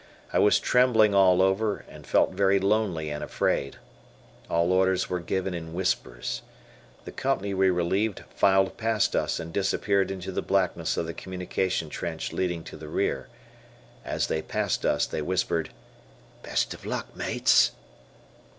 I was trembling all over, and felt very lonely and afraid. All orders were given in whispers. The company we relieved filed past us and disappeared into the blackness of the communication trench leading to the rear. As they passed us, they whispered, "The best o' luck mates."